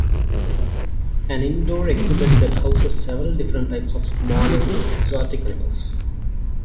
An indoor exhibit that houses several different types of smaller, exotic animals.